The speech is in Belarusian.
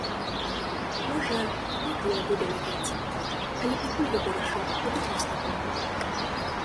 Можа, некалі я буду лятаць, але пакуль я вырашыў пабыць мастаком.